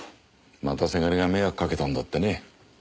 また倅が迷惑かけたんだってね。